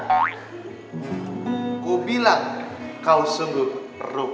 kuk bilang kau sungguh rupanya